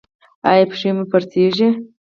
ایا پښې مو پړسیږي؟